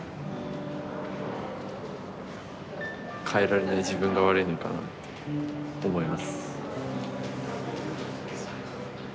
変えられない自分が悪いのかなって思います。